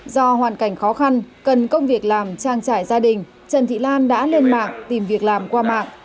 do hoàn cảnh khó khăn cần công việc làm trang trải gia đình trần thị lan đã lên mạng tìm việc làm qua mạng